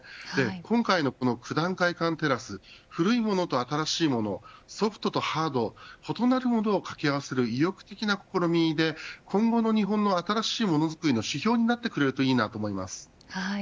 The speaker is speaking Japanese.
今回の九段会館テラス古いものと新しいものソフトとハード異なるものを掛け合わせる意欲的な試みが今後の日本の新しいものづくりの指標になってくれるといいなと思います。